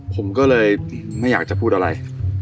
ผมก็เลยไม่อยากจะพูดอะไร